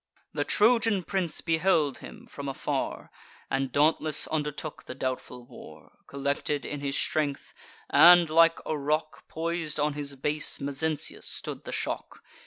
The Trojan prince beheld him from afar, And dauntless undertook the doubtful war. Collected in his strength, and like a rock, Pois'd on his base, Mezentius stood the shock.